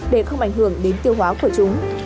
để không ảnh hưởng đến tiêu hóa của chúng